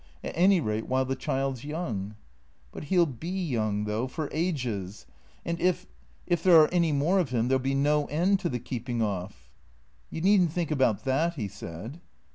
At any rate while the child 's young." " But he '11 be young, though, for ages. And if — if there are any more of him, there '11 be no end to the keeping off." " You need n't think about that," he said.